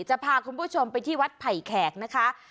จะพาคุณผู้ชมไปที่วัดไผ่แขกนะคะ